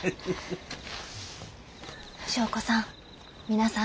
祥子さん皆さん